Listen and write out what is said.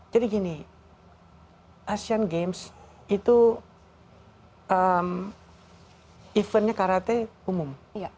jadi gini asian games itu eventnya karate umum